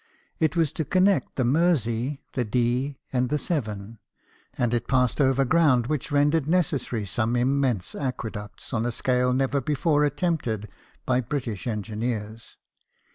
It was to connect the Mersey, the Dee. and the Severn, and it passed over ground which rendered necessary some immense aque ducts on a scale never before attempted by British engineers.